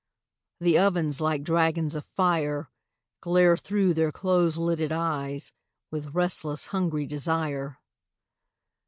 The ovens like dragons of fire Glare thro' their close lidded eyes With restless hungry desire.